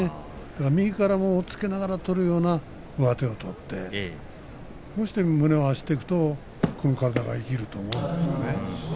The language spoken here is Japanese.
だから右からも押っつけながら取るような上手を取ってそして胸を合わせていくとこの体が生きると思うんですね。